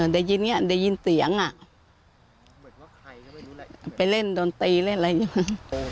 ได้ยินเงี้ยได้ยินเสียงอ่ะไปเล่นดนตรีเล่นอะไรอย่างเงี้ย